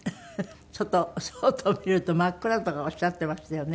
ちょっと外を見ると真っ暗とかおっしゃってましたよね。